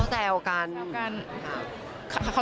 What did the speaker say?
ฮะ